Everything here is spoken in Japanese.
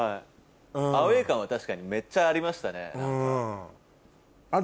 アウェー感は確かにめっちゃありましたね。